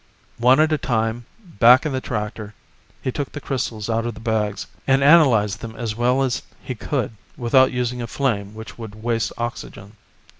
One at a time, back in the tractor, he took the crystals out of the bags and analyzed them as well as he could without using a flame which would waste oxygen.